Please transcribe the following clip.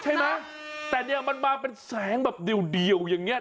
ใช่ไหมแต่เนี่ยมันมาเป็นแสงแบบเดียวอย่างเงี้